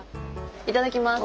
いただきます！